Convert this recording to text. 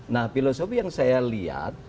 nah filosofi yang saya lihat